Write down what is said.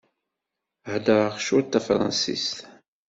Heddṛeɣ cwiṭ tafṛansist.